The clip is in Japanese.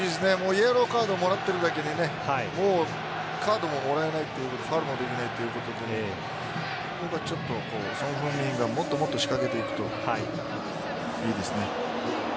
イエローカードをもらっているだけにカードももらえないファウルもできないということでここはソン・フンミンがもっと仕掛けていくといいですね。